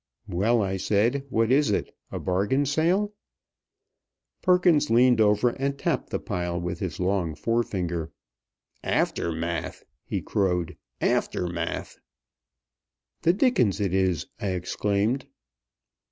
"Well," I said, "what is it a bargain sale?" Perkins leaned over and tapped the pile with his long forefinger. "Aftermath!" he crowed. "Aftermath!" "The dickens it is!" I exclaimed.